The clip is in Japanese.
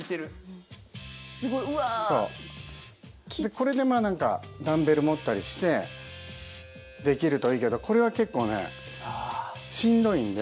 これでまあ何かダンベル持ったりしてできるといいけどこれは結構ねしんどいんで。